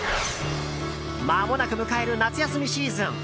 まもなく迎える夏休みシーズン。